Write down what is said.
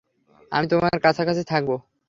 আমি তোমার কাছাকাছি থাকব।